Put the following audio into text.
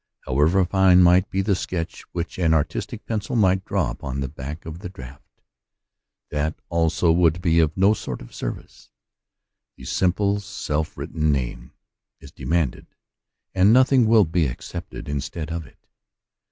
However fine might be the sketch which an artistic pencil might draw upon the back of the draft, that also would be of no sort of service : the simple, self written name is demanded, and nothing will be accepted instead of it.